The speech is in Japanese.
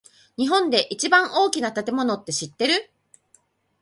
日本で一番大きな建物って知ってる？